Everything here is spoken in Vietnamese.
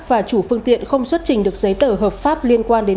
và chủ phương tiện không xuất trình được giấy tờ hợp pháp liên quan đến